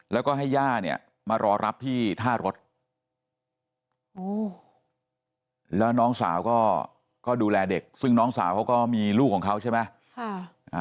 แล้วก็ให้ย่าเนี่ยมารอรับที่ท่ารถแล้วน้องสาวก็ดูแลเด็กซึ่งน้องสาวเขาก็มีลูกของเขาใช่ไหม